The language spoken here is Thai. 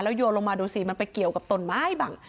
โยนลงมาดูสิมันไปเกี่ยวกับต้นไม้บ้าง